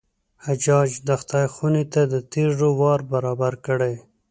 حجاج د خدای خونې ته د تېږو وار برابر کړی.